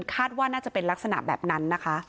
คาดว่าน่าจะเป็นลักษณะแบบนั้นนะคะ